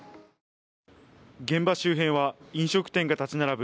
現場周辺は、飲食店が立ち並ぶ